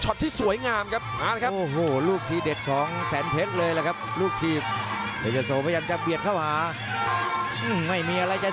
หลวงนายตั้งกระแพงทางเทศโสตีไปเลยครับไม่สนใจ